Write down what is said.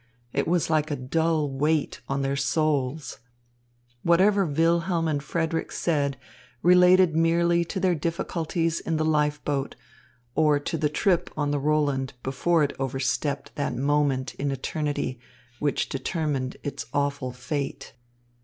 It was like a dull weight on their souls. Whatever Wilhelm and Frederick said related merely to their difficulties in the life boat, or to the trip on the Roland before it overstepped that moment in eternity which determined its awful fate.